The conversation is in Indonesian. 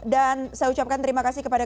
dan saya ucapkan terima kasih kepada